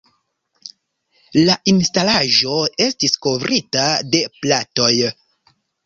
La instalaĵo estis kovrita de platoj.